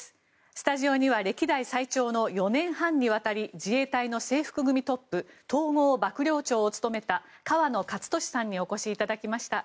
スタジオには歴代最長の４年半にわたり自衛隊の制服組トップ統合幕僚長を務めた河野克俊さんにお越しいただきました。